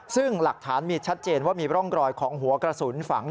ซึ่งหลักฐานมีชัดเจนว่ามีร่องรอยของหัวกระสุนฝัง